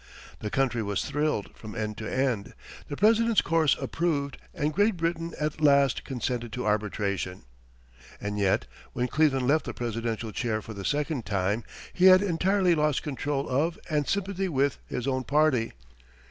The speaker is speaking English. The country was thrilled from end to end, the President's course approved, and Great Britain at last consented to arbitration. [Illustration: CLEVELAND] And yet, when Cleveland left the presidential chair for the second time, he had entirely lost control of and sympathy with his own party.